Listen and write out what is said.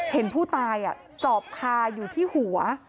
เห็นผู้ตายจอบคาอยู่ที่หัว